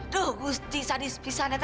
duh gue pasti sadis pisahnya tante